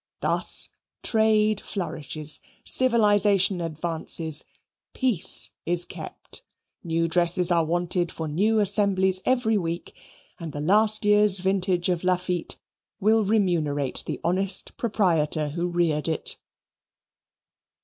Thus trade flourishes civilization advances; peace is kept; new dresses are wanted for new assemblies every week; and the last year's vintage of Lafitte will remunerate the honest proprietor who reared it.